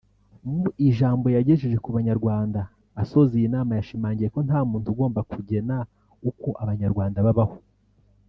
Mu ijambo yagejeje ku Banyarwanda asoza iyi nama yashimangiye ko nta muntu ugomba kugena uko Abanyarwanda babaho